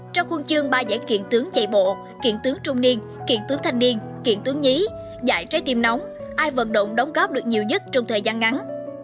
trong khuôn chương ba giải kiện tướng chạy bộ kiện tướng trung niên kiện tướng thanh niên kiện tướng nhí giải trái tim nóng ai vận động đóng góp được nhiều nhất trong thời gian ngắn